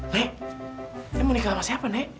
nek nek mau nikah sama siapa nek